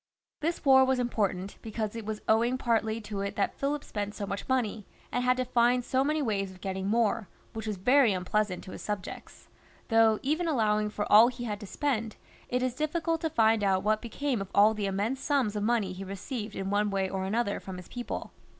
This war was important, because it was owing partly to it that Philip spent so much money, and had to find so many ways of getting more, which was very unpleasant to his subjects ; though, even allowing for all he had to spend, it is difficult to find out what became of all the immense sums of money he received in one way or another from his people.